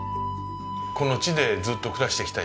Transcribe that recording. この地でずっと暮らしていきたい